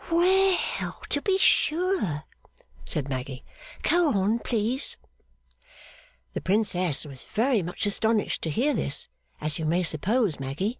'Well, to be sure!' said Maggy. 'Go on, please.' 'The Princess was very much astonished to hear this, as you may suppose, Maggy.